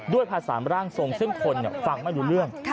ภาษาร่างทรงซึ่งคนฟังไม่รู้เรื่อง